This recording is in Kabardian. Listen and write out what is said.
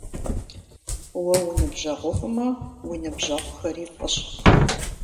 Уэ уныбжьэгъуфӀмэ, уи ныбжьэгъухэри фӀыщ.